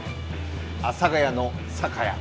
阿佐ヶ谷の酒屋。